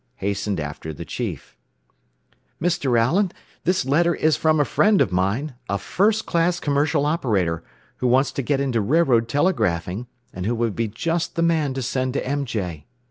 hastened after the chief. "Mr. Allen, this letter is from a friend of mine, a first class commercial operator, who wants to get into railroad telegraphing, and who would be just the man to send to MJ.